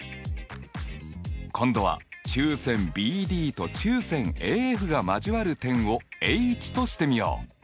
今度は中線ＢＤと中線ＡＦが交わる点をＨとしてみよう。